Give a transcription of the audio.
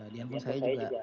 di handphone saya juga